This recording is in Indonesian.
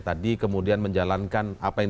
tadi kemudian menjalankan apa yang